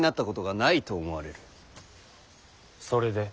それで？